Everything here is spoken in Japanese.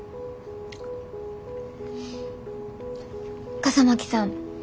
笠巻さん。